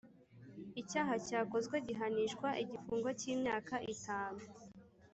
Icyaha cyakozwe gihanishwa igifungo cy’ imyaka itanu